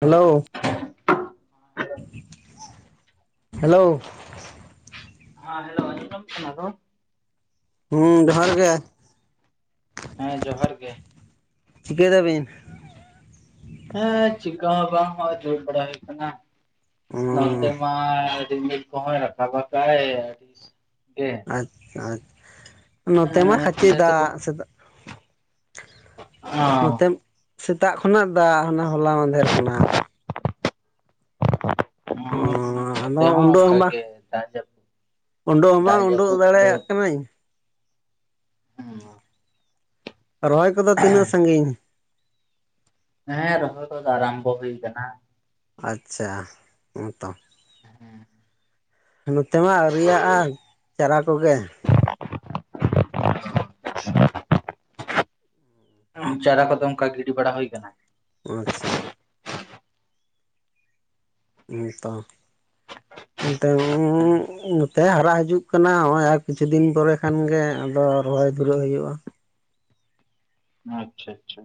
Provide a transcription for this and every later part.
Hello [inaudible] hello ᱦᱮᱸ hello ᱚᱸᱡᱚᱢᱚᱜ ᱠᱟᱱᱟ ᱨᱚᱲ ᱦᱩᱸ ᱡᱚᱦᱟᱨ ᱜᱮ᱾ ᱦᱮᱸ ᱡᱚᱦᱟᱨ ᱜᱮ᱾ ᱪᱤᱠᱟᱹᱭ ᱫᱟᱵᱤᱱ? ᱦᱮᱸ ᱪᱤᱠᱟ ᱦᱚᱸ ᱵᱟᱝ ᱦᱚᱸ ᱫᱟᱹᱲ ᱵᱟᱲᱟ ᱦᱩᱭ ᱟᱠᱟᱱᱟ᱾ ᱱᱚᱛᱮ ᱚᱸ ᱢᱟ ᱨᱤᱢᱤᱞ ᱠᱚᱦᱚᱸᱭ ᱨᱟᱠᱟᱵ ᱟᱠᱟᱭ ᱟᱹᱰᱤ ᱜᱮ᱾ ᱟᱪᱪᱷᱟ ᱟᱪᱪᱷᱟ ᱱᱚᱛᱮ ᱢᱟ ᱠᱷᱟᱪᱤ ᱫᱟᱜ ᱥᱮᱛᱟᱜ ᱱᱚᱛᱮ ᱥᱮᱛᱟᱜ ᱠᱷᱚᱱᱟᱜ ᱫᱟᱜ ᱚᱱᱟ ᱦᱚᱞᱟ ᱢᱟᱫᱷᱮᱨ ᱠᱷᱚᱱᱟᱜ᱾ ᱦᱚ ᱦᱚ ᱚᱸ ᱢᱚᱛᱮ ᱟᱫᱚ ᱦᱚᱸ ᱚᱱᱠ ᱜᱮ ᱫᱟ ᱡᱟᱯᱩᱫ ᱩᱰᱩᱜᱠ ᱦᱚᱸ ᱵᱟᱝ ᱩᱰᱩᱜᱠ ᱫᱟᱲᱮᱭᱟᱜ ᱠᱟᱹᱱᱟᱹᱧ᱾ ᱦᱩᱸ ᱨᱚᱦᱚᱭ ᱠᱚᱫᱚ ᱛᱤᱱᱟᱹᱜ ᱥᱟᱺᱜᱤᱧ? ᱦᱮᱸ ᱨᱚᱦᱚᱭ ᱫᱚ ᱟᱨᱟᱢᱵᱚ ᱦᱩᱭ ᱟᱠᱟᱱᱟ᱾ ᱟᱪᱪᱷᱟ ᱦᱮ ᱛᱚ ᱦᱮᱸ ᱱᱚᱛᱮ ᱢᱟ ᱟᱹᱣᱨᱤᱭᱟᱜᱼᱟ ᱪᱟᱨᱟ ᱠᱚᱜᱮ ᱪᱟᱨᱟ ᱠᱚᱫᱚ ᱚᱱᱠᱟ ᱜᱤᱰᱤ ᱵᱟᱲᱟ ᱦᱩᱭ ᱟᱠᱟᱱᱟ᱾ ᱟᱪᱪᱷᱟ ᱱᱮ ᱛᱚ [inaudible] ᱱᱚᱛᱮ ᱦᱟᱨᱟᱜ ᱦᱤᱡᱩᱜ ᱠᱟᱱᱟ ᱱᱚᱜ ᱟᱨ ᱠᱤᱪᱷᱩ ᱫᱤᱱ ᱯᱚᱨᱮ ᱠᱷᱟᱱ ᱜᱤ ᱟᱫᱚ ᱨᱚᱦᱚᱭ ᱵᱩᱨᱟᱹᱜ ᱦᱩᱭᱩᱜᱼᱟ᱾ ᱟᱪᱪᱷᱟ ᱟᱪᱪᱷᱟ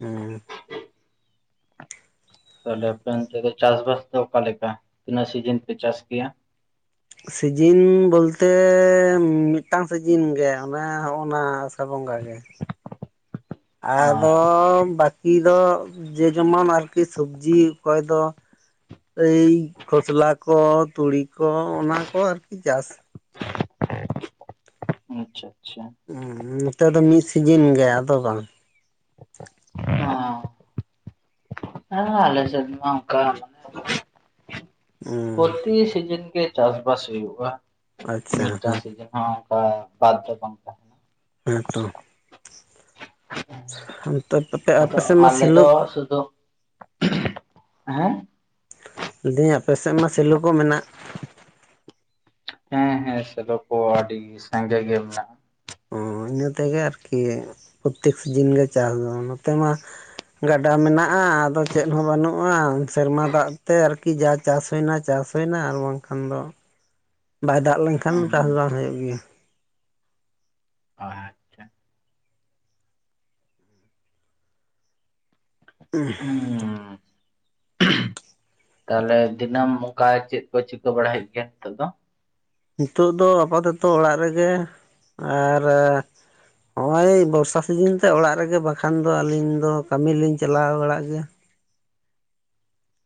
ᱦᱩᱸ ᱛᱟᱦᱞᱮ ᱟᱯᱮ ᱚᱱᱛᱮ ᱫᱚ ᱪᱟᱥᱵᱟᱥ ᱫᱚ ᱚᱠᱟ ᱞᱮᱠᱟ ᱛᱤᱱᱟᱹᱜ ᱥᱤᱡᱤᱱ ᱯᱮ ᱪᱟᱥ ᱜᱮᱭᱟ? ᱥᱤᱡᱤᱱ ᱵᱚᱞᱛᱮ ᱢᱤᱫᱴᱟᱝ ᱥᱤᱡᱤᱱ ᱜᱮ ᱚᱱᱟᱚᱱᱮ ᱦᱚᱜᱼ ᱱᱟ ᱟᱥᱟᱲ ᱵᱚᱸᱜᱟ ᱜᱮ᱾ ᱟᱫᱚ ᱟᱨ ᱵᱟᱠᱤ ᱫᱚ ᱡᱮ ᱡᱮᱢᱚᱱ ᱟᱨᱠᱤ ᱥᱚᱵᱡᱤ ᱚᱠᱚᱭ ᱫᱚ ᱮᱭ ᱠᱷᱚᱥᱞᱟ ᱠᱚ ᱛᱩᱲᱤ ᱠᱚ ᱚᱱᱟ ᱠᱚ ᱟᱨᱠᱤ ᱪᱟᱥ ᱟᱪᱪᱷᱟ ᱟᱪᱪᱷᱟ ᱱᱚᱛᱮ ᱫᱚ ᱢᱤᱫ ᱥᱤᱡᱤᱱ ᱜᱮ ᱟᱫᱚ ᱵᱟᱝ ᱟᱨ ᱟᱞᱮ ᱥᱮᱫ ᱢᱟ ᱚᱱᱠᱟ ᱦᱩᱸ ᱯᱚᱨᱛᱤ ᱥᱤᱡᱤᱱ ᱜᱮ ᱪᱟᱥᱵᱟᱥ ᱦᱩᱭᱩᱜᱼᱟ᱾ ᱟᱪᱪᱷᱟ ᱢᱤᱫᱴᱟᱝ ᱦᱮᱸ ᱥᱤᱡᱮᱱ ᱦᱚ ᱚᱱᱠᱟ ᱵᱟᱨ- ᱯᱮ ᱦᱮᱸᱛᱚ ᱟᱯᱮ ᱥᱮᱫ ᱢᱟ ᱥᱮᱞ ᱥᱩ ᱫᱚ ᱦᱮᱸ ᱞᱟᱹᱭᱫᱟᱹᱧ ᱟᱯᱮ ᱥᱮᱫ ᱢᱟ ᱥᱮᱞᱚ ᱠᱚ ᱢᱮᱱᱟᱜ ᱦᱮᱸ ᱦᱮᱸ ᱥᱮᱞᱚ ᱠᱚ ᱟᱹᱰᱤ ᱥᱟᱸᱜᱮ ᱜᱮ ᱢᱮᱱᱟᱜᱼᱟ᱾ ᱚ ᱤᱱᱟᱹ ᱛᱮᱜᱮ ᱟᱨᱠᱤ ᱯᱨᱚᱛᱮᱠ ᱥᱤᱡᱤᱱ ᱜᱮ ᱪᱟᱥ ᱫᱚ ᱱᱚᱛᱮ ᱢᱟ ᱜᱟᱰᱟ ᱢᱮᱱᱟᱜᱼᱟ ᱟᱫᱚ ᱪᱮᱫ ᱦᱚᱸ ᱵᱟᱹᱱᱩᱜᱼᱟ ᱥᱮᱨᱢᱟ ᱫᱟᱜ ᱛᱮ ᱟᱨᱠᱤ ᱡᱟ ᱪᱟᱥ ᱦᱩᱭᱮᱱᱟ ᱪᱟᱥ ᱦᱩᱭᱮᱱᱟ ᱟᱨ ᱵᱟᱝᱠᱷᱟᱱ ᱫᱚ ᱵᱟᱭ ᱫᱟᱜ ᱞᱮᱱᱠᱷᱟᱱ ᱪᱟᱥ ᱵᱟᱝ ᱦᱩᱭᱩᱜ ᱜᱮᱭᱟ᱾ ᱟᱪᱪᱷᱟ ᱩᱸ ᱦᱩᱸ ᱛᱟᱦᱚᱞᱮ ᱫᱤᱱᱟᱹᱢ ᱚᱱᱠᱟ ᱪᱮᱫ ᱠᱚ ᱪᱤᱠᱟᱹ ᱵᱟᱲᱟᱭᱮᱫ ᱜᱮᱭᱟ ᱱᱤᱛᱚᱜ ᱫᱚ? ᱱᱤᱛᱚᱜ ᱫᱚ ᱟᱯᱟᱛᱚᱛᱚ ᱚᱲᱟᱜ ᱨᱮᱜᱮ ᱟᱨ ᱦᱚᱜᱼᱚᱭ ᱵᱚᱨᱥᱟ ᱥᱤᱡᱤᱱ ᱛᱮ ᱚᱲᱟᱜ ᱨᱮᱜᱮ ᱵᱟᱠᱷᱟᱱ ᱫᱚ ᱟᱹᱞᱤᱧ ᱫᱚ ᱠᱟᱹᱢᱤ ᱞᱤᱧ ᱪᱟᱞᱟᱣ ᱵᱟᱲᱟᱜ ᱜᱮᱭᱟ᱾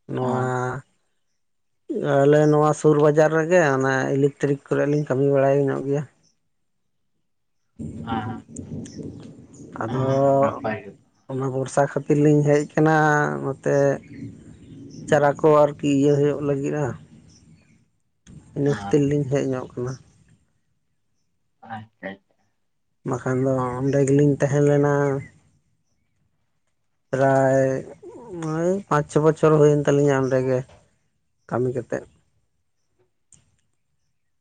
ᱱᱚᱣᱟ ᱟᱞᱮ ᱱᱚᱣᱟ ᱥᱩᱨ ᱵᱟᱡᱟᱨ ᱨᱮᱜᱮ ᱚᱱᱮ ᱤᱞᱮᱠᱴᱨᱤᱠ ᱠᱚᱨᱮ ᱞᱤᱧ ᱠᱟᱹᱢᱤ ᱵᱟᱲᱟᱭ ᱧᱚᱜ ᱜᱮᱭᱟ᱾ [inaudible] [inaudible] ᱱᱟᱯᱟᱭ ᱜᱮ ᱟᱫᱚ ᱟᱪᱪᱷᱟ ᱚᱱᱟ ᱵᱷᱚᱨᱥᱟ ᱠᱷᱟᱹᱛᱤᱨ ᱞᱤᱧ ᱦᱮᱡ ᱟᱠᱟᱱᱟ ᱱᱚᱛᱮ ᱪᱟᱨᱟ ᱠᱚ ᱟᱨᱠᱤ ᱤᱭᱟᱹ ᱦᱩᱭᱩᱜ ᱞᱟᱹᱜᱤᱫᱼᱟ ᱵᱮᱥ ᱛᱮᱛ ᱞᱤᱧ ᱦᱮᱡ ᱧᱚᱜ ᱟᱠᱟᱱᱟ ᱟᱪᱪᱷᱟ ᱟᱪᱪᱷᱟ ᱵᱟᱠᱷᱟᱱ ᱫᱚ ᱚᱸᱰᱮ ᱜᱮᱞᱤᱧ ᱛᱟᱦᱮᱸ ᱞᱮᱱᱟ ᱯᱨᱟᱭ ᱳᱭ ᱯᱟᱸᱪ ᱪᱷᱚ ᱵᱚᱪᱷᱚᱨ ᱦᱩᱭᱮᱱ ᱛᱟᱞᱤᱧᱟ ᱚᱸᱰᱮᱜᱮ ᱠᱟᱹᱢᱤ ᱠᱟᱛᱮᱫ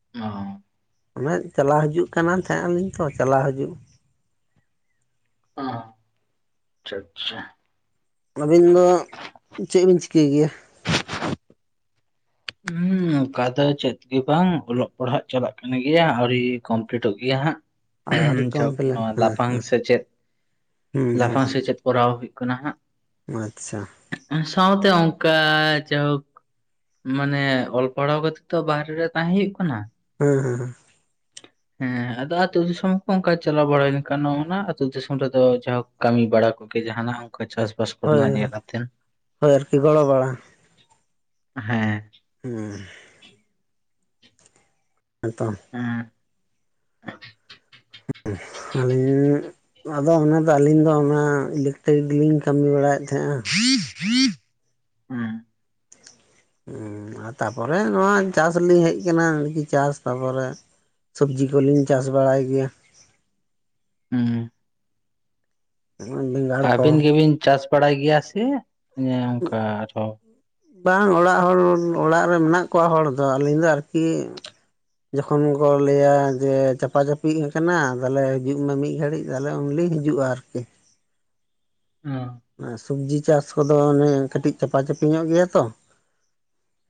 ᱟᱪᱪᱷᱟ ᱚᱱᱮ ᱪᱟᱞᱟᱣ ᱦᱤᱡᱩᱜ ᱠᱟᱱ ᱛᱟᱦᱮᱸᱱᱟ ᱞᱤᱧ ᱛᱚ ᱪᱟᱞᱟᱣ ᱦᱤᱡᱩᱜ ᱟᱪᱪᱷᱟ ᱟᱪᱪᱷᱟ ᱟᱹᱵᱤᱱ ᱫᱚ ᱪᱮᱫ ᱵᱤᱱ ᱪᱤᱠᱟᱹᱭ ᱜᱮᱭᱟ ᱦᱩᱸ ᱚᱱᱠᱟ ᱫᱚ ᱪᱮᱫ ᱜᱮ ᱵᱟᱝ ᱚᱞᱚᱜ ᱯᱟᱲᱦᱟᱜ ᱪᱟᱞᱟᱜ ᱠᱟᱱ ᱜᱮᱭᱟ ᱟᱹᱣᱨᱤ ᱠᱚᱢᱯᱞᱤᱴᱚᱜ ᱜᱮᱭᱟ ᱦᱟᱸᱜ ᱟᱹᱣᱨᱤ ᱡᱚᱠ ᱱᱚ ᱠᱚᱢᱯᱞᱮᱱ ᱦᱮᱸ ᱞᱟᱯᱷᱟᱝ ᱥᱮᱪᱮᱫ ᱦᱩᱸ ᱞᱟᱯᱷᱟᱝ ᱥᱮᱪᱮᱫ ᱠᱚᱨᱟᱣ ᱦᱩᱭᱩᱜ ᱠᱟᱱᱟ ᱦᱩᱸ ᱟᱪᱪᱷᱟ ᱦᱟᱸᱜ ᱥᱟᱶᱛᱮ ᱚᱱᱠᱟ ᱡᱟᱭᱦᱳᱠ ᱢᱟᱱᱮ ᱚᱞᱯᱚ ᱯᱚᱲᱚᱣ ᱜᱚᱛᱮ ᱵᱟᱨᱦᱨᱮ ᱨᱮ ᱛᱟᱦᱮᱸᱳ ᱠᱟᱱᱟ ᱦᱮᱸ ᱦᱮᱸ ᱦᱮᱸ ᱦᱮᱸ ᱟᱫᱚ ᱟ ᱟᱹᱛᱩ ᱫᱤᱥᱚᱢ ᱦᱚᱸ ᱚᱱᱠᱟ ᱪᱟᱞᱟᱣ ᱵᱟᱲᱮᱱ ᱠᱟᱱᱟᱟᱱ ᱚᱱᱟ ᱟᱹᱛᱩ ᱫᱤᱥᱚᱢ ᱨᱮᱫᱚ ᱡᱟᱦᱚᱠ ᱠᱟᱹᱢᱤ ᱵᱟᱲᱟ ᱠᱚᱜᱮ ᱡᱟᱦᱟᱱᱟᱜ ᱚᱱᱠᱟ ᱪᱟᱥᱼᱵᱟᱥ ᱦᱳᱭ ᱠᱚᱨᱮᱱᱟᱜ ᱧᱮᱞ ᱠᱟᱛᱮᱱ ᱦᱳᱭ ᱟᱨᱠᱤ ᱜᱚᱲᱚ ᱵᱟᱲᱟ ᱦᱮᱸ ᱦᱩᱸ ᱮᱫᱚᱢ [unintelligible] [unintelligible] ᱟᱫᱚ ᱚᱱᱟ ᱫᱚ ᱟᱹᱞᱤᱧ ᱫᱚ ᱚᱱᱟ ᱤᱞᱤᱠᱴᱤᱨᱤᱠ ᱜᱮ [unintelligible] ᱞᱤᱱᱤᱜ ᱠᱟᱹᱢᱤ ᱵᱟᱲᱟᱭᱮᱫ ᱛᱟᱦᱮᱸᱼᱟ ᱦᱮᱸ ᱦᱮᱸ ᱛᱟᱨᱯᱚᱨᱮ ᱱᱚᱣᱟ ᱪᱟᱥ ᱞᱤᱧ ᱦᱮᱡ ᱟᱠᱟᱱᱟ ᱱᱟᱭᱠᱤ ᱪᱟᱥ ᱛᱟᱨᱯᱚᱨᱮ ᱥᱚᱵᱽᱡᱤ ᱠᱚᱞᱤᱧ ᱪᱟᱥ ᱵᱟᱲᱟᱭ ᱜᱮᱭᱟ ᱦᱮᱸ [unintelligible] ᱟᱹᱵᱤᱱ ᱜᱮᱵᱤᱱ ᱪᱟᱥ ᱵᱟᱲᱟᱭ ᱜᱮᱭᱟ ᱥᱮ ᱮ ᱚᱱᱠᱟ ᱟᱨᱦᱚᱸ ᱵᱟᱝ ᱚᱲᱟᱜ ᱦᱚᱲ ᱚᱲᱟᱜ ᱨᱮ ᱢᱮᱱᱟᱜ ᱠᱚᱣᱟ ᱦᱚᱲ ᱫᱚ ᱟᱹᱞᱤᱧ ᱫᱚ ᱟᱨᱠᱤ ᱡᱚᱠᱷᱚᱱ ᱠᱚ ᱞᱟᱹᱭᱟ ᱡᱮ ᱪᱟᱯᱟ ᱪᱟᱯᱤᱜ ᱟᱠᱟᱱᱟ ᱛᱟᱦᱚᱞᱮ ᱦᱤᱡᱩᱜ ᱢᱮ ᱢᱤᱫ ᱜᱷᱟᱹᱲᱤᱡ ᱛᱟᱦᱚᱞᱮ ᱩᱱᱞᱤᱧ ᱦᱤᱡᱩᱜᱼᱟ ᱟᱨᱠᱤ ᱚ ᱥᱚᱵᱡᱤ ᱪᱟᱥ ᱠᱚᱫᱚ ᱚᱱᱮ ᱠᱟᱹᱴᱤᱡ ᱪᱟᱯᱟ ᱪᱟᱯᱤ ᱧᱚᱜ ᱜᱮᱭᱟ ᱛᱚ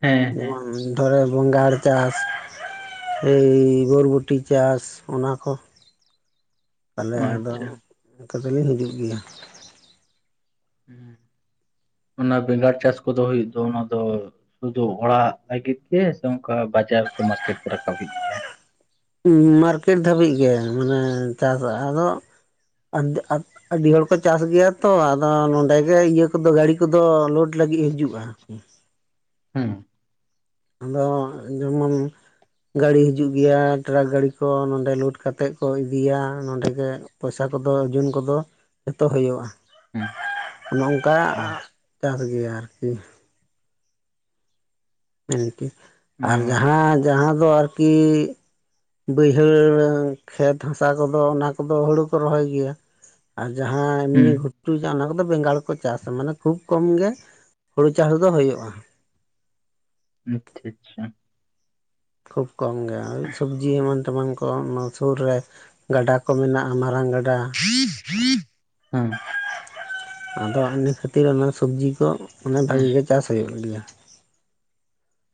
ᱦᱮᱸ ᱦᱮᱸ ᱡᱮᱢᱚᱱ ᱫᱷᱚᱨᱮ ᱵᱚᱸᱜ ᱟᱨ ᱪᱟᱥ [inaudible] ᱮᱭ ᱵᱚᱨᱵᱩᱴᱤ ᱪᱟᱥ ᱚᱱᱟ ᱠᱚ ᱛᱟᱦᱚᱞᱮ ᱟᱫᱚ ᱟᱪᱪᱷᱟ ᱱᱮᱛᱚᱜ ᱫᱚᱞᱤᱧ ᱦᱤᱡᱩᱜ ᱜᱮᱭᱟ ᱚᱱᱟ ᱵᱮᱸᱜᱟᱲ ᱪᱟᱥ ᱠᱚᱫᱚ ᱦᱩᱭᱩᱜ ᱫᱚ ᱚᱱᱟ ᱫᱚ ᱥᱩᱫᱩ ᱚᱲᱟᱜ ᱞᱟᱹᱜᱤᱫ ᱜᱮ ᱥᱮ ᱚᱱᱠᱟ ᱵᱟᱡᱟᱨ ᱠᱚ ᱢᱟᱨᱠᱮᱴ ᱠᱚ ᱨᱟᱠᱟᱵ ᱜᱮᱭᱟ ᱢᱟᱨᱠᱮᱴ ᱫᱷᱟᱹᱵᱤᱡ ᱜᱮ ᱢᱟᱱᱮ ᱪᱟᱥᱟ ᱟᱫᱚ [unintelligible] ᱟᱹᱰᱤ ᱦᱚᱲ ᱠᱚ ᱪᱟᱥ ᱜᱮᱭᱟ ᱛᱚ ᱟᱫᱚ ᱱᱚᱰᱮ ᱜᱮ ᱤᱭᱟᱹ ᱠᱚᱫᱚ ᱜᱟᱹᱲᱤ ᱠᱚᱫᱚ ᱟᱯᱞᱳᱰ ᱞᱟᱹᱜᱤᱫ ᱦᱤᱡᱩᱜᱼᱟ ᱦᱮᱸ ᱟᱫᱚ ᱡᱮᱢᱚᱱ [unintelligible] ᱜᱰᱤᱤ ᱦᱤᱡᱩᱜ ᱜᱮᱭᱟ ᱴᱮᱨᱟᱠ ᱜᱟᱹᱰᱤᱤ ᱠᱚ ᱱᱚᱸᱰᱮ ᱞᱳᱰ ᱠᱟᱛᱮᱮᱫ ᱠᱚ ᱤᱫᱤᱭᱟ ᱱᱚᱸᱰᱮ ᱜᱮ ᱯᱚᱭᱥᱟ ᱠᱚᱫᱚ ᱡᱩᱱ ᱠᱚᱫᱚ ᱡᱚᱛᱚ ᱦᱩᱭᱩᱜᱼᱟ ᱦᱩᱸ [unintelligible] ᱠᱟ ᱚ ᱪᱟᱥ ᱜᱮᱭᱟ ᱟᱨᱠᱤ ᱟᱨᱠᱤ ᱚ ᱟᱨ ᱡᱟᱦᱟᱸ ᱡᱟᱦᱟᱸ ᱫᱚ ᱟᱨᱠᱤ ᱵᱟᱹᱭᱦᱟᱹᱲ ᱠᱷᱮᱛ ᱦᱟᱥᱟ ᱠᱚᱫᱚ ᱚᱱᱟ ᱠᱚᱫᱚ ᱦᱩᱲᱩ ᱠᱚ ᱨᱚᱦᱚᱭ ᱜᱮᱭᱟ᱾ ᱟᱨ ᱡᱟᱦᱟᱸ ᱮᱢᱱᱤ ᱦᱩᱸ ᱜᱩᱴ ᱚᱱᱟ ᱠᱚᱫᱚ ᱵᱮᱸᱜᱟᱲ ᱠᱚ ᱪᱟᱥᱟ᱾ ᱢᱟᱱᱮ ᱠᱷᱩᱵ ᱠᱚᱢ ᱜᱮ ᱦᱩᱲᱩ ᱪᱟᱥ ᱫᱚ ᱦᱩᱭᱩᱜᱼᱟ᱾ ᱟᱪᱷᱟ ᱟᱪᱷᱟ ᱠᱷᱩᱵᱽ ᱠᱚᱢ ᱜᱮᱭᱟ ᱥᱚᱵᱽᱡᱤ ᱮᱢᱟᱱ ᱛᱮᱢᱟᱱ ᱠᱚ ᱚᱱᱟ ᱥᱩᱨ ᱨᱮ ᱜᱟᱰᱟ ᱠᱚ ᱢᱮᱱᱟᱜᱼᱟ ᱢᱟᱨᱟᱝ ᱜᱟᱰᱟ᱾ [inaudible] ᱦᱩᱸ ᱟᱫᱚ ᱤᱱᱟ ᱠᱷᱟᱹᱛᱤᱨ ᱚᱱᱟ ᱥᱚᱵᱽᱡᱤ ᱠᱚ ᱚᱱᱟ ᱦᱩᱸ ᱵᱷᱟᱹᱜᱤ ᱜᱮ ᱪᱟᱥ ᱦᱩᱭᱩᱜ ᱜᱮᱭᱟ᱾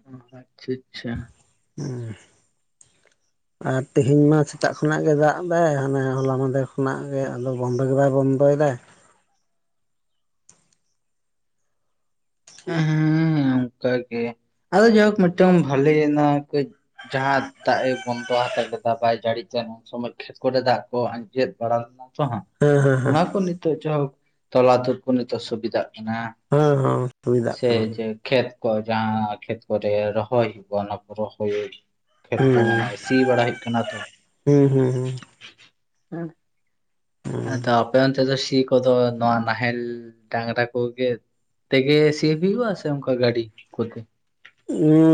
ᱚ ᱟᱪᱷᱟ ᱟᱪᱷᱟ ᱦᱮᱸ [inaudible] ᱟᱨ ᱛᱮᱦᱮᱧ ᱢᱟ ᱥᱮᱛᱟᱜ ᱠᱷᱚᱱᱟᱜ ᱜᱮ ᱫᱟᱜ ᱮᱫᱟᱭ, ᱦᱟᱱᱮ ᱦᱚᱞᱟ ᱢᱟᱦᱫᱮᱨ ᱠᱷᱚᱱᱟᱜ ᱜᱮ ᱟᱫᱚ ᱵᱚᱱᱫᱚ ᱜᱮ ᱵᱟᱭ ᱵᱚᱱᱫᱚᱭᱮᱫᱟᱭ᱾ ᱦᱮᱸ ᱦᱮᱸ ᱚᱱᱠ ᱜᱮ ᱟᱫᱚ ᱡᱟᱭᱦᱳᱠ ᱢᱤᱫᱴᱟᱝ ᱵᱷᱟᱞᱮ ᱚᱱᱟ ᱡᱟᱦᱟᱸ ᱫᱟᱜ ᱮ ᱵᱚᱱᱫᱚ ᱦᱟᱛᱟᱣ ᱞᱮᱫᱟ ᱵᱟᱭ ᱡᱟᱹᱲᱤ ᱛᱟᱦᱮ ᱩᱱ ᱥᱚᱢᱚᱭ ᱪᱮᱫ ᱠᱚᱨᱮ ᱫᱟᱜ ᱠᱚ ᱟᱸᱡᱮᱫ ᱵᱟᱲᱟ ᱞᱮᱱᱟ? ᱠᱟᱦᱟᱸᱜ ᱦᱮᱸ ᱦᱮᱸ ᱚᱱᱟ ᱠᱚ ᱱᱤᱛᱚᱜ ᱡᱟᱭᱦᱳᱠ ᱛᱚᱞᱟᱛᱩᱨ ᱠᱚ ᱱᱤᱛᱚᱜ ᱥᱩᱵᱤᱫᱷᱟᱜ ᱠᱟᱱᱟ ᱦᱮᱸ ᱦᱮᱸ ᱦᱩᱭ ᱫᱟᱜ ᱥᱮ ᱠᱟᱱᱟ ᱡᱮ ᱠᱷᱮᱛ ᱠᱚ ᱡᱟᱦᱟᱸ ᱠᱷᱮᱛ ᱠᱚᱨᱮ ᱨᱚᱦᱚᱭ ᱦᱵ ᱚᱱᱟ ᱠᱚ ᱨᱚᱭ ᱠᱷᱮᱛ ᱦᱩᱸ ᱠᱚ ᱢᱟᱱᱮ ᱥᱤ ᱵᱟᱲᱟ ᱦᱩᱭᱩᱜ ᱠᱟᱱᱟ ᱛᱚ᱾ ᱦᱩᱸ ᱦᱩᱸ ᱦᱩᱸ ᱟ ᱟᱯᱮ ᱚᱱᱛᱮ ᱫᱚ ᱥᱤ ᱠᱚᱫᱚ ᱱᱚᱣᱟ ᱱᱟᱦᱮᱞ ᱰᱟᱝᱨᱟ ᱠᱚᱜᱮ ᱛᱮᱜᱮ ᱥᱤᱯ ᱦᱩᱭᱩᱜᱼᱟ ᱥᱮ ᱚᱱᱠᱟ ᱜᱟᱹᱰᱤ ᱠᱚᱛᱮ?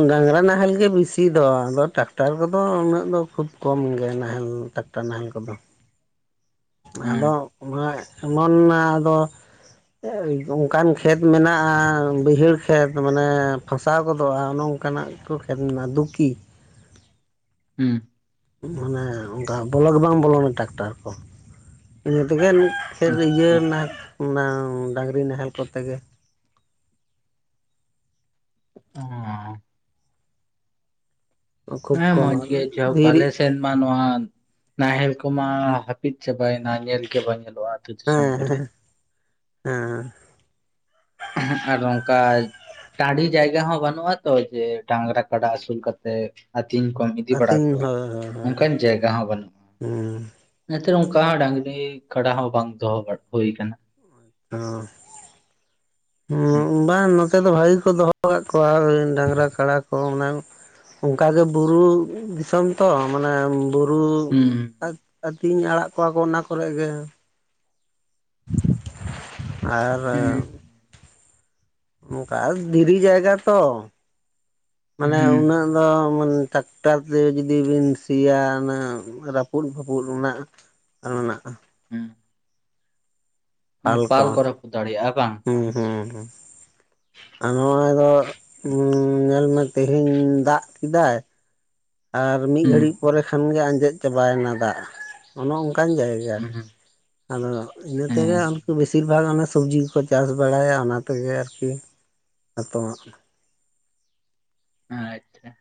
ᱰᱟᱝᱨᱟ ᱱᱟᱦᱮᱞ ᱜᱮ ᱵᱤᱥᱤ ᱫᱚ ᱟᱫᱚ ᱴᱨᱟᱠᱴᱟᱨ ᱠᱚᱫᱚ ᱩᱱᱟᱹᱜ ᱫᱚ ᱠᱷᱩᱵ ᱠᱚᱢ ᱜᱮ ᱱᱟᱦᱮᱞ ᱛᱟ ᱱᱟᱦᱮᱞ ᱠᱚᱫᱚ᱾ ᱦᱮᱸ ᱟᱫᱚ ᱮᱢᱚᱱ ᱟᱫᱚ ᱚᱱᱠᱟᱱ ᱠᱷᱮᱛ ᱢᱮᱱᱟᱜᱼᱟ ᱵᱟᱹᱭᱦᱟᱹᱲ ᱠᱷᱮᱛ ᱢᱟᱱᱮ ᱯᱷᱟᱥᱟᱣ ᱜᱚᱫᱚᱜᱼᱟ᱾ ᱚᱱᱮ ᱚᱱᱠᱟᱱᱟᱜ ᱜᱮ ᱠᱚ ᱠᱷᱮᱛ ᱮᱱᱟ ᱫᱷᱩᱠᱤ ᱦᱮᱸ ᱢᱟᱱᱮ ᱚᱱᱠᱟ ᱵᱚᱞᱚ ᱵᱟᱝ ᱵᱚᱞᱚᱱᱟ ᱴᱟᱠᱴᱟᱨ ᱠᱚ ᱤᱱᱟᱹ ᱛᱮᱜᱮ ᱯᱷᱮᱨ ᱤᱭᱟᱹ ᱟᱪᱪᱷᱟ ᱱᱟᱦᱮᱞ ᱚᱱᱟ ᱰᱟᱝᱨᱤ ᱱᱟᱦᱮᱞ ᱠᱚᱛᱮ ᱜᱮ ᱚᱹᱻ ᱠᱷᱩᱵ ᱦᱮᱸ ᱠᱚᱢ ᱢᱚᱸᱡᱽ ᱜᱮ ᱡᱚᱠ ᱫᱷᱤᱨᱤ ᱟᱞᱮ ᱥᱮᱱ ᱢᱟ ᱱᱚᱣᱟ ᱱᱟᱦᱮᱞ ᱠᱚᱢᱟ ᱦᱟᱹᱯᱤᱫ ᱪᱟᱵᱟᱭᱮᱱᱟ᱾ ᱧᱮᱞ ᱜᱮ ᱵᱟᱝ ᱧᱮᱞᱚᱜᱼᱟ᱾ ᱟᱹᱛᱩ ᱫᱤᱥᱚᱢ ᱦᱮᱸ ᱠᱚᱨᱮ ᱦᱮᱸ ᱦᱮᱸ ᱦᱮᱸᱜ ᱟᱨ ᱱᱚᱝᱠᱟ ᱴᱟᱺᱰᱤ ᱡᱟᱭᱜᱟ ᱦᱚᱸ ᱵᱟᱹᱱᱩᱜᱼᱟ ᱛᱚ, ᱡᱮ ᱰᱟᱝᱨᱟ ᱠᱟᱰᱟ ᱟᱹᱥᱩᱞ ᱠᱟᱛᱮᱫ ᱟᱹᱛᱤᱧ ᱠᱚᱢ ᱤᱫᱤ ᱵᱟᱲᱟ ᱟᱹᱛᱤᱧ ᱠᱚᱣᱟ᱾ ᱦᱳᱭ ᱦᱳᱭ ᱦᱳᱭ ᱚᱱᱠᱟᱱ ᱡᱟᱭᱜᱟ ᱦᱚᱸ ᱵᱟᱹᱱᱩᱜᱼᱟ᱾ ᱦᱩᱸ ᱮᱱᱛᱮ ᱚᱱᱠᱟ ᱰᱟᱝᱨᱤ ᱠᱟᱰᱟ ᱦᱚᱸ ᱵᱟᱝ ᱫᱚᱦᱚ ᱦᱩᱭᱩ ᱟᱠᱟᱱᱟ᱾ ᱚᱸ ᱦᱩᱸ ᱵᱟᱝ ᱱᱚᱛᱮ ᱱᱚᱛᱮ ᱫᱚ ᱵᱷᱟᱜᱤ ᱠᱚ ᱫᱚᱦᱚ ᱟᱠᱟᱟᱜ ᱠᱚᱣᱟ ᱰᱟᱝᱨᱟ- ᱠᱟᱰᱟ ᱠᱚ ᱚᱱᱠᱟ ᱜᱮ ᱵᱩᱨᱩ ᱫᱤᱥᱚᱢ ᱛᱚ ᱢᱟᱱᱮ ᱵᱩᱨᱩ ᱟ ᱟᱹᱛᱤᱧ ᱟᱲᱟᱜ ᱠᱚᱣᱟ ᱠᱚ ᱚᱱᱟ ᱠᱚᱨᱮ ᱜᱮ᱾ ᱟᱨ ᱦᱩᱸ ᱚᱱᱠᱟ ᱫᱷᱤᱨᱤ ᱡᱟᱭᱜᱟ ᱛᱚ ᱢᱟᱱᱮ ᱦᱩᱸ ᱩᱱᱟᱹᱜ ᱟ ᱫᱚ ᱢᱟᱱᱮ ᱴᱨᱟᱠᱴᱟᱨ ᱛᱮ ᱡᱩᱫᱤ ᱵᱤᱱ ᱥᱤᱭᱟ ᱚᱱᱟ ᱨᱟᱹᱯᱩᱫ ᱯᱷᱟᱹᱯᱩᱫ ᱨᱮᱱᱟᱜ ᱢᱮᱱᱟᱜᱼᱟ᱾ ᱦᱮᱸ ᱯᱟᱨ ᱠᱚᱨᱚ ᱠᱚ ᱫᱟᱲᱮᱭᱟᱜᱼᱟ ᱵᱟᱝ ᱦᱩᱸ ᱟᱨ ᱱᱚᱜᱼᱚᱭ ᱫᱚ ᱧᱮᱞ ᱢᱮ ᱛᱮᱦᱮᱧ ᱫᱟᱜ ᱠᱮᱫᱟᱭ ᱟᱨ ᱢᱤᱫ ᱦᱩᱸ ᱜᱷᱟᱹᱲᱤᱡ ᱯᱚᱨᱮ ᱠᱷᱟᱱᱜᱮ ᱟᱸᱡᱮᱫ ᱪᱟᱵᱟᱭᱮᱱᱟ ᱫᱟᱜ᱾ ᱚᱱᱮ ᱚᱱᱠᱟᱱ ᱡᱟᱭᱜᱟ ᱦᱩᱸ ᱟᱫᱚ ᱤᱱᱟᱹ ᱛᱮᱜᱮ ᱦᱮᱸ ᱩᱱᱠᱩ ᱵᱤᱥᱤᱨ [unintelligible] ᱚᱱᱮ ᱥᱚᱵᱡᱤ ᱠᱚᱠᱚ ᱪᱟᱥ ᱵᱟᱲᱟᱭᱟ ᱚᱱᱟ ᱛᱮᱜᱮ ᱟᱨᱠᱤ ᱱᱤᱛᱚᱢᱟᱜ ᱟᱪᱪᱷᱟ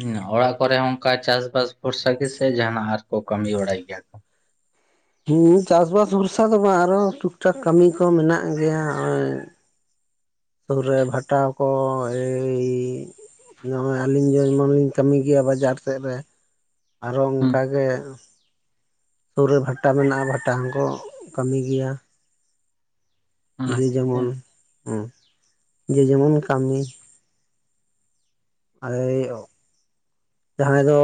ᱦᱮ ᱚᱲᱟᱜ ᱠᱚᱨᱮ ᱦᱚᱸ ᱚᱱᱠᱟ ᱪᱟᱥᱵᱟᱥ ᱵᱷᱚᱨᱥᱟ ᱜᱮ ᱥᱮ ᱡᱟᱦᱱᱟᱜ ᱟᱨ ᱠᱚ ᱠᱟᱹᱢᱤ ᱵᱟᱲᱟᱭ ᱜᱮᱭᱟ ᱠᱚ ᱦᱮᱸ ᱪᱟᱥᱵᱟᱥ ᱵᱷᱚᱨᱥᱟ ᱫᱚ ᱵᱟᱝ ᱟᱨᱚ ᱴᱩᱠ ᱴᱟᱠ ᱠᱟᱹᱢᱤ ᱠᱚ ᱢᱮᱱᱟᱜ ᱜᱮᱭᱟ ᱱᱚᱜᱚᱭ ᱥᱩᱨ ᱨᱮ ᱵᱷᱟᱴᱟᱣ ᱠᱚ ᱮᱭ ᱱᱚᱜᱼᱚᱭ ᱟᱹᱞᱤᱧ ᱡᱮᱢᱚᱱ ᱞᱤᱧ ᱠᱟᱹᱢᱤ ᱜᱮᱭᱟ ᱵᱟᱡᱟᱨ ᱥᱮᱫ ᱨᱮ ᱟᱨᱚ ᱦᱩᱸ ᱚᱱᱠᱟᱜ ᱜᱮ ᱥᱩᱨ ᱨᱮ ᱵᱷᱟᱴᱟ ᱢᱮᱱᱟᱜᱼᱟ ᱵᱷᱟᱴᱟ ᱦᱚᱸᱠᱚ ᱠᱟᱹᱢᱤ ᱜᱮᱭᱟ ᱞᱤ ᱟᱪᱪᱷᱟ ᱡᱮᱢᱚᱱ ᱦᱩ ᱡᱮ ᱡᱮᱢᱚᱱ ᱠᱟᱹᱢᱤ [inaudible] ᱟᱭᱚᱜ ᱡᱟᱦᱟᱸᱭ ᱫᱚ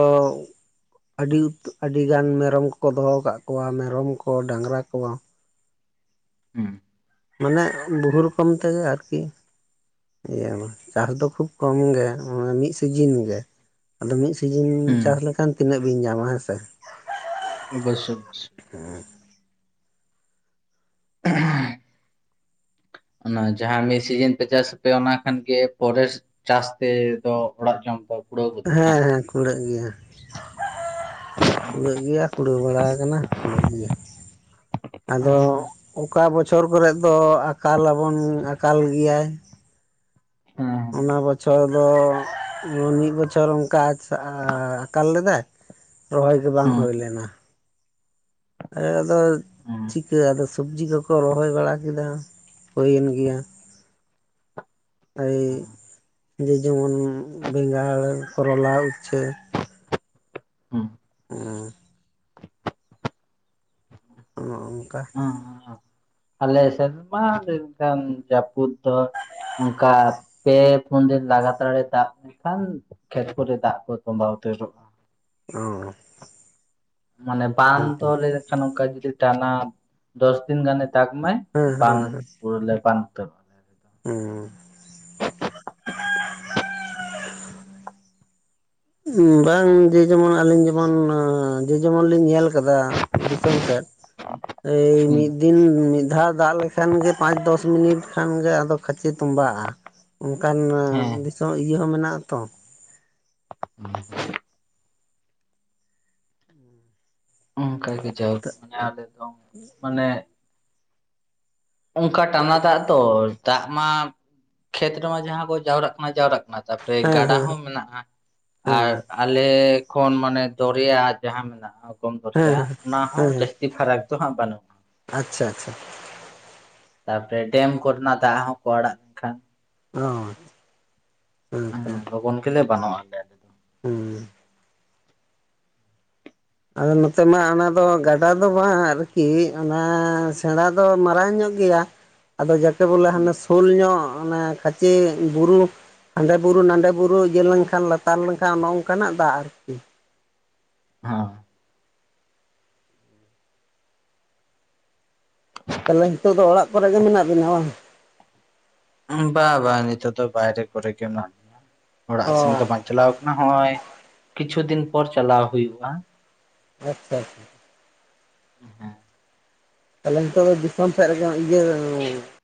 ᱟᱹᱰᱤ ᱩᱛ ᱟᱹᱰᱤ ᱜᱟᱱ ᱢᱮᱨᱚᱢ ᱠᱚ ᱫᱚᱦᱚ ᱟᱠᱟᱫ ᱠᱚᱣᱟ ᱢᱮᱨᱚᱢ ᱠᱚ ᱰᱟᱝᱨᱟ ᱠᱚᱣᱟ ᱦᱩᱸ ᱢᱟᱱᱮ ᱵᱩᱦᱩ ᱨᱚᱠᱚᱢ ᱛᱮᱜᱮ ᱟᱨᱠᱤ ᱤᱭᱟᱹ ᱪᱟᱥ ᱫᱚ ᱠᱷᱩᱵ ᱠᱚᱢ ᱜᱮ ᱢᱟᱱᱮ ᱢᱤᱫ ᱥᱤᱡᱤᱱ ᱜᱮ ᱟᱫᱚ ᱢᱤᱫ ᱥᱤᱡᱤᱱ ᱦᱩᱸ ᱪᱟᱥ ᱞᱮᱠᱷᱟᱱ ᱛᱤᱱᱟᱹᱜ ᱵᱤᱱ ᱧᱟᱢᱟ ᱦᱮᱸᱥᱮ ᱚᱵᱚᱥᱚ [unintelligible] ᱦᱮᱸ [unintelligible] ᱚᱱᱟ ᱡᱟᱦᱟᱸ ᱢᱤᱜ ᱥᱤᱡᱤᱱ ᱯᱮ ᱪᱟᱥ ᱟᱯᱮ ᱚᱱᱟ ᱠᱷᱟᱱ ᱜᱮ ᱯᱚᱨᱮᱨ ᱪᱟᱥ ᱛᱮ ᱫᱚ ᱚᱲᱟᱜ ᱡᱚᱢ ᱠᱚ ᱦᱮᱸ ᱦᱮᱸ ᱠᱩᱲᱟᱹᱜ ᱜᱮᱭᱟ, ᱠᱩᱲᱟᱹᱜ ᱜᱮᱭᱟ ᱠᱩᱲᱟᱹᱣ ᱵᱟᱲᱟ ᱟᱠᱟᱱᱟ᱾ ᱠᱩᱲᱟᱹᱜ ᱜᱮ ᱦᱮᱸ ᱟᱫᱚ ᱚᱠᱟ ᱵᱚᱪᱷ [inaudible] ᱪᱷᱚᱨ ᱠᱚᱨᱮᱜ ᱫᱚ ᱟᱠᱟᱞ ᱟᱵᱚᱱ ᱟᱠᱟᱞ ᱜᱮᱭᱟᱭ᱾ ᱦᱮᱸ ᱚᱱᱟ ᱵᱚᱪᱷᱚᱨ ᱫᱚ ᱢᱤᱫ ᱵᱚᱪᱷᱚᱨ ᱚᱱᱠᱟ ᱟᱠᱟᱞ ᱞᱮᱫᱟᱭ? ᱨᱚᱦᱚᱭ ᱜᱮ ᱵᱟᱝ ᱦᱮᱸ ᱦᱳᱭ ᱞᱮᱱᱟ᱾ ᱮᱻᱟ ᱟᱫᱚ ᱦᱮᱸ ᱪᱤᱠᱟᱹ ᱟᱫᱚ ᱥᱚᱵᱡᱤ ᱠᱚᱠᱚ ᱨᱚᱦᱚᱭ ᱵᱟᱲᱟ ᱠᱮᱫᱟ ᱦᱩᱭᱮᱱ ᱜᱮᱭᱟ᱾ ᱮᱭ ᱡᱮ ᱡᱮᱢᱚᱱ ᱵᱮᱸᱜᱟᱲ, ᱠᱚᱨᱚᱞᱟ ᱩᱪᱪᱷᱟᱹᱼᱼ ᱦᱮᱸ ᱮᱸᱻ ᱚᱸᱱᱮ ᱚᱝᱠᱟ ᱦᱮᱸ ᱦᱮᱸ ᱟᱞᱮ ᱥᱮᱨᱢᱟ ᱞᱮᱱᱠᱟᱱ ᱡᱟᱹᱯᱩᱫ ᱫᱚ ᱚᱱᱠᱟ ᱯᱮ, ᱯᱩᱱ ᱫᱤᱱ ᱞᱟᱜᱟᱛᱟᱨ ᱮ ᱫᱟᱜ ᱞᱮᱱᱠᱷᱟᱱ ᱠᱷᱮᱛ ᱠᱚᱨᱮ ᱫᱟᱜ ᱠᱚᱭ ᱛᱚᱸᱵᱟ ᱩᱛᱟᱹᱨᱚᱜᱼᱟ᱾ ᱚᱸᱻ ᱢᱟᱱᱮ ᱵᱟᱱ ᱛᱚᱞᱮᱠᱷᱟᱱ ᱚᱱᱠᱟ ᱡᱩᱫᱤ ᱛᱟᱱᱟ ᱫᱚᱥ ᱫᱤᱱ ᱜᱟᱱᱮ ᱫᱟᱜ ᱢᱟᱭᱼᱼ ᱦᱮᱸ ᱵᱟᱱ ᱦᱮᱸ ᱯᱩᱨ ᱞᱮᱠᱷᱟᱱ ᱛᱚᱼᱼ ᱩᱸ [unintelligible] ᱩᱸ ᱵᱟᱝ ᱜᱮ ᱡᱮᱢᱚᱱ ᱟᱹᱞᱤᱧ ᱡᱮᱢᱚᱱ ᱡᱮ ᱡᱮᱢᱚᱱ ᱞᱤᱧ ᱧᱮᱞ ᱟᱠᱟᱫᱟ ᱫᱤᱥᱚᱢ ᱥᱮᱫ ᱮᱭ ᱦᱮᱸ ᱢᱤᱫ ᱫ ᱫᱤᱱ ᱢᱤᱫ ᱫᱷᱟᱣ ᱫᱟᱜ ᱞᱮᱠᱷᱟᱱ ᱜᱮ ᱯᱟᱸᱪ ᱫᱚᱥ ᱢᱤᱱᱤᱴ ᱠᱷᱟᱱ ᱜᱮ ᱟᱫᱚ ᱠᱷᱟᱪᱮ ᱛᱩᱸᱢᱵᱟᱜᱼᱟ᱾ ᱚᱱᱠᱟᱱ ᱦᱮᱸ ᱫᱤᱥᱚᱢ ᱤᱭᱟᱹ ᱦᱚᱸ ᱢᱮᱱᱟᱜᱼᱟ ᱛᱚ [unintelligible] ᱚᱱᱠᱟ ᱜᱮ ᱡᱟᱣ ᱠᱷᱚᱱᱟᱜ ᱟᱞᱮ ᱫᱚ ᱢᱟᱱᱮ ᱚᱱᱠᱟ ᱴᱟᱸᱱᱟ ᱫᱟᱜ ᱛᱚ ᱫᱟᱜ ᱢᱟ ᱠᱷᱮᱛ ᱨᱮᱢᱟ ᱡᱟᱦᱟᱸ ᱠᱚ ᱡᱟᱣᱨᱟᱜ ᱠᱟᱱᱟ ᱡᱟᱣᱨᱟᱜ ᱠᱟᱱᱟ ᱛᱟᱯᱚᱨ [unintelligible] ᱨᱮ ᱦᱮᱸ ᱜᱟᱰᱟ ᱦᱮᱸ ᱦᱚᱸ ᱢᱮᱱᱟᱜᱼᱟ ᱟᱨ ᱦᱮᱸ ᱟᱞᱮ ᱠᱷᱚᱱ ᱢᱟᱱᱮ ᱫᱚᱨᱭᱟ ᱡᱟᱦᱟᱸ ᱢᱮᱱᱟᱜᱼᱟ ᱚᱜᱚᱢ ᱫᱚᱨᱭᱟ ᱦᱮᱸ ᱚᱱᱟ ᱦᱚᱸ ᱦᱮᱸ ᱦᱮᱸ ᱡᱟᱹᱥᱛᱤ ᱯᱷᱟᱨᱟᱠ ᱫᱚ ᱦᱟᱸᱜ ᱵᱟᱹᱱᱩᱜᱼᱟ ᱟᱪᱪᱷᱟ ᱟᱪᱪᱷᱟ᱾ ᱛᱟᱯᱚᱨᱮ ᱰᱮᱢ ᱠᱚᱨᱮᱱᱟᱜ ᱫᱟᱜ ᱦᱚᱸᱠᱚ ᱟᱲᱟᱜ ᱞᱮᱱᱠᱷᱟᱱ ᱚᱸ᱾ ᱦᱮᱸ [unintelligible] ᱜᱮᱞᱮ ᱵᱟᱱᱚᱜ-ᱟ᱾ ᱩᱹᱻ᱾ ᱟᱫᱚ ᱱᱚᱛᱮ ᱢᱟ ᱚᱱᱟ ᱫᱚ ᱜᱟᱰᱟ ᱫᱚ ᱵᱟᱝ ᱟᱨ ᱠᱤ ᱚᱱᱟ ᱥᱮᱬᱟ ᱫᱚ ᱢᱟᱨᱟᱝ ᱧᱚᱜ ᱜᱮᱭᱟ᱾ [inaudible] ᱟᱫᱚ ᱡᱟᱠᱮ ᱵᱚᱞᱮ ᱦᱟᱱᱮ ᱥᱳᱞ ᱧᱚᱜ ᱠᱟᱢᱤ ᱵᱩᱨᱩ ᱦᱟᱸᱰᱮ ᱵᱩᱨᱩ ᱱᱟᱱᱰᱮ ᱵᱩᱨᱩ ᱤᱭᱟᱹ ᱞᱮᱱ ᱠᱷᱟᱱ ᱞᱟᱛᱟᱨ ᱞᱮ ᱱᱠᱷᱟᱱ ᱚᱱ ᱱᱚᱝᱠᱟ ᱱᱟᱜ ᱫᱟᱜ ᱟᱨ ᱠᱤ᱾ ᱦᱚᱸ᱾ ᱛᱟᱦᱚᱞᱮ ᱱᱤᱛᱚᱜ ᱫᱚ ᱚᱲᱟᱜ ᱠᱚᱨᱮ ᱜᱮ ᱢᱮᱱᱟᱜ ᱵᱤᱱᱟ ᱵᱟᱝ? ᱦᱩᱸ ᱵᱟᱝ ᱵᱟᱝ ᱱᱤᱛᱚᱜ ᱫᱚ ᱵᱟᱭᱨᱮ ᱠᱚᱨᱮ ᱜᱮ ᱢᱮᱱᱟᱜ ᱞᱤᱧᱟ ᱚᱲᱟᱜ ᱚ ᱥᱮᱱ ᱫᱚ ᱵᱟᱝ ᱪᱟᱞᱟᱣ ᱠᱟᱱᱟ ᱦᱚᱸᱜ-ᱚᱭ ᱠᱤᱪᱷᱩ ᱫᱤᱱ ᱯᱚᱨ ᱪᱟᱞᱟᱣ ᱦᱩᱭᱩᱜ-ᱟ᱾ ᱟᱪᱷᱟ ᱾ ᱦᱮᱸ᱾ ᱛᱟᱦᱮᱞᱮ ᱱᱤᱛᱚᱜ ᱫᱚ ᱫᱤᱥᱚᱢ ᱥᱮᱫ ᱨᱮᱜᱮ ᱤᱭᱟᱹ ᱚ-ᱻ